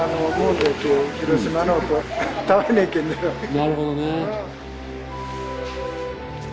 なるほどね。